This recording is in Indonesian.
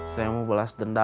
saya mau balas dendam